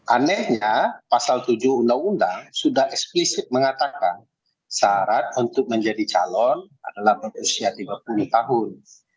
anehnya pasal tujuh undang undang sudah eksplisit mengatakan syarat untuk menjadi calon adalah usia tiga puluh tahun